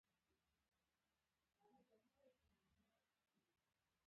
هره ورځ ښوونځي ته ځم